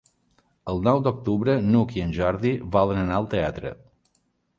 El nou d'octubre n'Hug i en Jordi volen anar al teatre.